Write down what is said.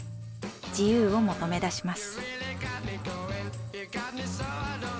自由を求めだします。